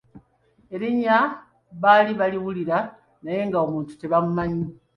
Erinnya baali baliwulira naye nga omuntu tebamumanyi.